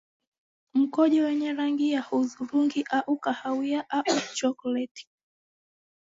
Mkojo wenye rangi ya hudhurungi au kahawia au chokoleti